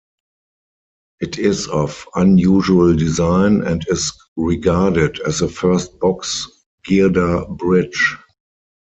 It is of unusual design and is regarded as the first box girder bridge.